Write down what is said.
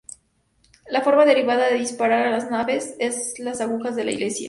La forma deriva de disparar a las aves en las agujas de las iglesias.